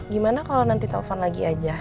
gimana kalau nanti telepon lagi aja